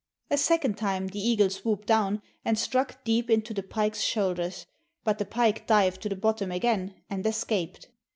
A second time the eagle swooped down and struck deep into the pike's shoulders; but the pike dived to the bottom again and escaped.